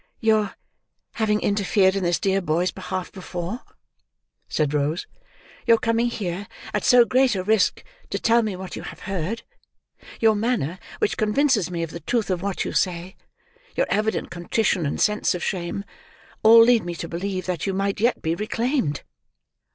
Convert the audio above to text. "Your having interfered in this dear boy's behalf before," said Rose; "your coming here, at so great a risk, to tell me what you have heard; your manner, which convinces me of the truth of what you say; your evident contrition, and sense of shame; all lead me to believe that you might yet be reclaimed.